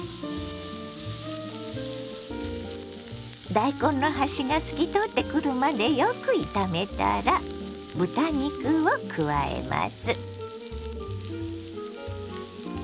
大根の端が透き通ってくるまでよく炒めたら豚肉を加えます。